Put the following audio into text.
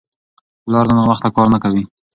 پلار نن ناوخته کار نه کوي.